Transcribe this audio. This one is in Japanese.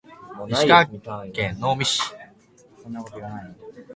石川県能美市